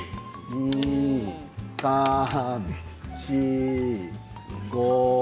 １、２、３、４、５。